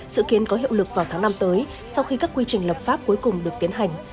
dự kiến có hiệu lực vào tháng năm tới sau khi các quy trình lập pháp cuối cùng được tiến hành